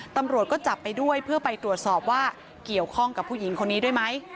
ตำรวจก็จับไปด้วยเพื่อไปตรวจสอบว่าเกี่ยวข้องกับผู้หญิงคนนี้ด้วยไหม